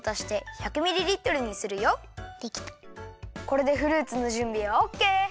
これでフルーツのじゅんびはオッケー！